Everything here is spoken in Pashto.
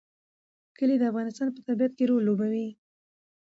کلي د افغانستان په طبیعت کې رول لوبوي.